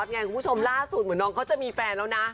เหมือนน้องเขาจะมีแฟนแล้วนะ